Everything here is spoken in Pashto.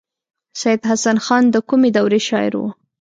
سید حسن خان د کومې دورې شاعر و.